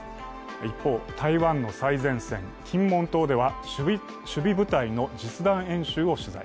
一方、台湾の最前線・金門島では守備部隊の実弾演習を取材。